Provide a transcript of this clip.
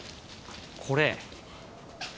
これ。